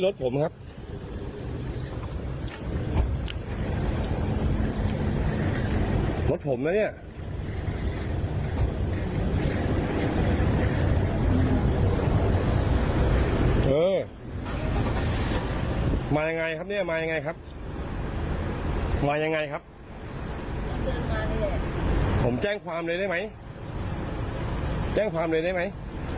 แจ้งพร้อมเรียนได้ไหม